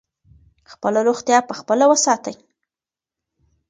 خپله روغتیا په خپله وساتئ.